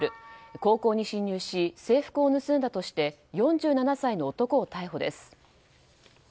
高校に侵入し制服を盗んだとして４７歳の男を逮捕です。